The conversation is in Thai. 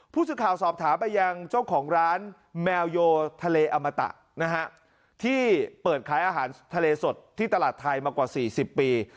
ผู้สื่อข่าวสอบถามไปยังเจ้าของร้านแมวโยทะเลอมตะนะฮะที่เปิดขายอาหารทะเลสดที่ตลาดไทยมากว่า๔๐ปี